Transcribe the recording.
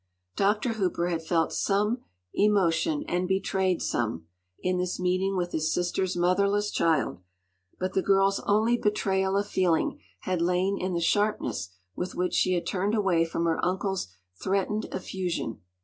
Dr. Hooper had felt some emotion, and betrayed some, in this meeting with his sister’s motherless child; but the girl’s only betrayal of feeling had lain in the sharpness with which she had turned away from her uncle’s threatened effusion.